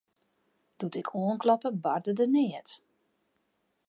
Doe't ik oankloppe, barde der neat.